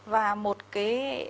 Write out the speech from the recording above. và một cái